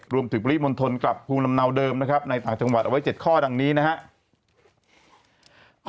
ปริมณฑลกลับภูมิลำเนาเดิมนะครับในต่างจังหวัดเอาไว้๗ข้อดังนี้นะครับ